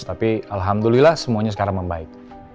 tapi alhamdulillah semuanya sekarang membaik